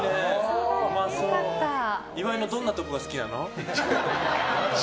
岩井のどんなところが好きなの？